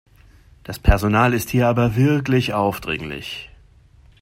Das Personal ist hier aber wirklich aufdringlich.